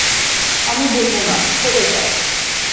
আমি বলবো না - খোল এটা!